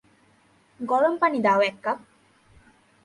গরম পানি দাও এক কাপ।